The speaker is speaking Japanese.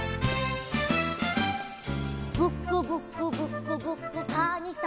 「ブクブクブクブクかにさんあるき」